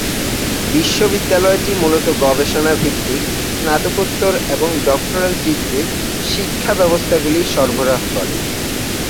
বিশ্ববিদ্যালয়টি মূলত গবেষণা ভিত্তিক স্নাতকোত্তর এবং ডক্টরাল ডিগ্রির শিক্ষা ব্যবস্থাগুলি সরবরাহ করে।